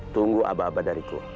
tunggu abah abah dariku